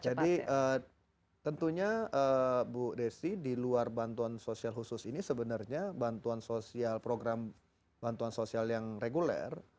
jadi tentunya bu desi di luar bantuan sosial khusus ini sebenarnya program bantuan sosial yang reguler